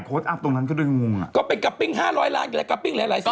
โค้ชอัพตรงนั้นก็ได้งงอ่ะก็ไปกัปปิ้งห้าร้อยล้านกัปปิ้งหลายหลายสิบ